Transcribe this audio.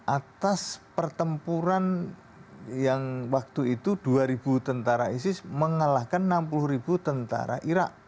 atas pertempuran yang waktu itu dua ribu tentara isis mengalahkan enam puluh ribu tentara irak